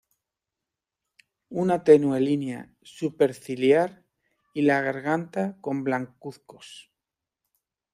Una tenue línea superciliar y la garganta son blancuzcos.